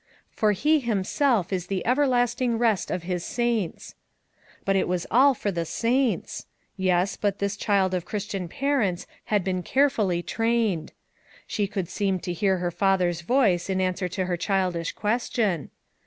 "For he himself is the everlasting rest of his saints." But it was all for the saints. Yes, but this child of Christian parents had been carefully trained. She could seem to hear her father's voice in answer to her childish question.